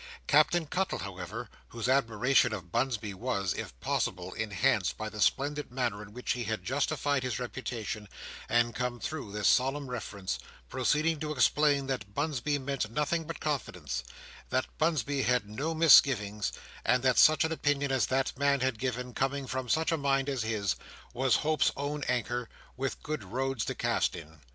Captain Cuttle, however, whose admiration of Bunsby was, if possible, enhanced by the splendid manner in which he had justified his reputation and come through this solemn reference, proceeded to explain that Bunsby meant nothing but confidence; that Bunsby had no misgivings; and that such an opinion as that man had given, coming from such a mind as his, was Hope's own anchor, with good roads to cast it in.